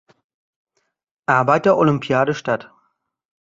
Arbeiter-Olympiade statt.